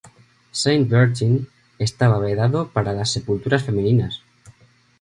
Saint-Bertin estaba vedado para las sepulturas femeninas.